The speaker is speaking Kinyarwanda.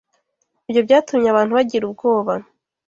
Ibyo byatumye abantu bagira ubwoba